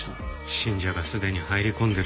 信者がすでに入り込んでるんですね。